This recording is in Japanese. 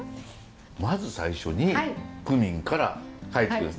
まず最初にクミンから入ってくるんですね。